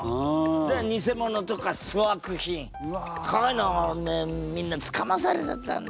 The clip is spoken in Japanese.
だから偽物とか粗悪品こういうのをおめえみんなつかまされちゃったんだ。